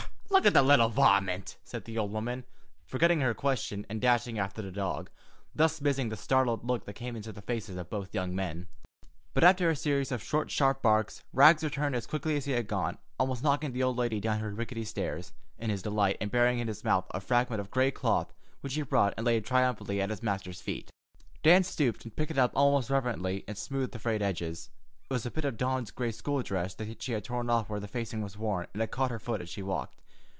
"Och! Look at the little varmint!" said the old woman, forgetting her question and dashing after the dog, thus missing the startled look that came into the faces of both young men. But after a series of short, sharp barks, Rags returned as quickly as he had gone, almost knocking the old lady down her rickety stairs, in his delight, and bearing in his mouth a fragment of gray cloth which he brought and laid triumphantly at his master's feet. Dan stooped and picked it up almost reverently and smoothed the frayed edges. It was a bit of Dawn's gray school dress that she had torn off where the facing was worn and had caught her foot as she walked.